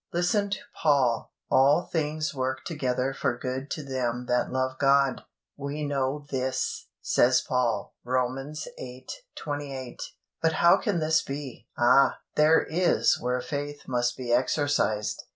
Listen to Paul: "All things work together for good to them that love God." "We know this," says Paul (Romans viii. 28). But how can this be? Ah! there is where faith must be exercised.